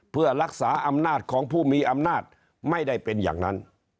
เพื่อรักษาอำนาจของผู้มีอำนาจไม่ได้เป็นอย่างนั้น